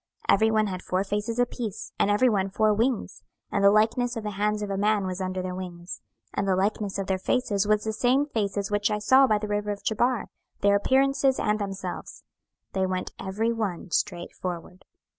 26:010:021 Every one had four faces apiece, and every one four wings; and the likeness of the hands of a man was under their wings. 26:010:022 And the likeness of their faces was the same faces which I saw by the river of Chebar, their appearances and themselves: they went every one straight forward.